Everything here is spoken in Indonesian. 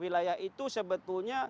wilayah itu sebetulnya